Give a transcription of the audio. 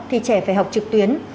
thì trẻ phải học trực tuyến